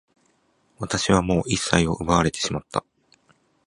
私はもう一切を奪われてしまった。